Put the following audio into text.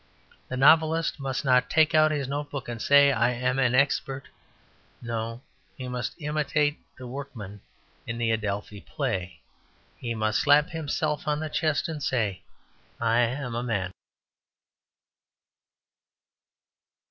The novelist must not take out his notebook and say, "I am an expert." No; he must imitate the workman in the Adelphi play. He must slap himself on the chest and say, "I am a man."